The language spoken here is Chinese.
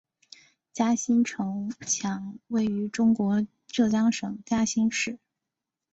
嘉兴城墙位于中国浙江省嘉兴市。